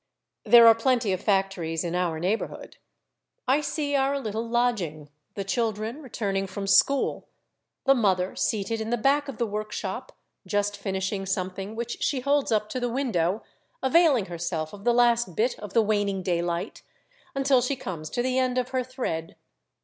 There are plenty of factories in our neighborhood. I see our Httle lodging, the children returning from school, the mother seated in the back of the workshop, just finishing some thing which she holds up to the window, availing herself of the last bit of the waning daylight, until she comes to the end of her thread.